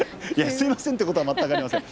すみませんということは全くありません。